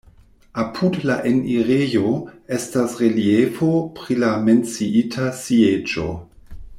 Apud la enirejo estas reliefo pri la menciita sieĝo.